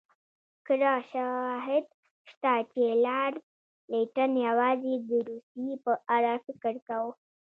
کره شواهد شته چې لارډ لیټن یوازې د روسیې په اړه فکر کاوه.